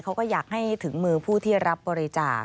เขาก็อยากให้ถึงมือผู้ที่รับบริจาค